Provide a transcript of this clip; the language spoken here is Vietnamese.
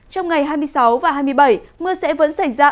trong ngày hai mươi sáu và hai mươi bảy mưa sẽ vẫn xảy ra